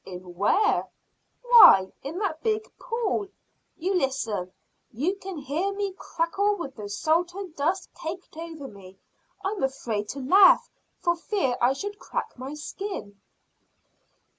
"In where?" "Why, in that big pool. You listen. You can hear me crackle with the salt and dust caked over me. I'm afraid to laugh, for fear I should crack my skin."